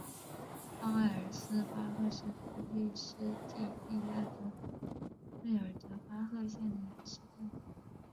奥埃尔斯巴赫是奥地利施蒂利亚州费尔德巴赫县的一个市镇。